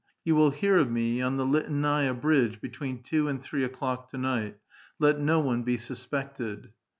You will hear of me on the Liteinai'a bridge between two and three o'clock to night. Let no one be suspected."